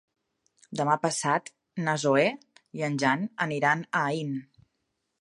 Demà passat na Zoè i en Jan aniran a Aín.